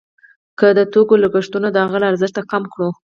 که د توکو لګښتونه د هغه له ارزښت کم کړو